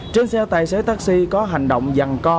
trên xe tài xế taxi có hành động dằn co